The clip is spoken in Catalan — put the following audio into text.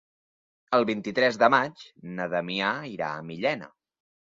El vint-i-tres de maig na Damià irà a Millena.